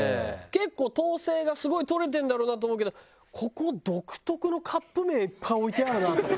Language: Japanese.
結構統制がすごい執れてるんだろうなと思うけどここ独特のカップ麺いっぱい置いてあるなとかさ。